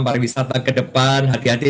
pariwisata ke depan hati hati